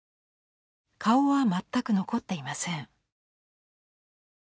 顔は全く残っていません。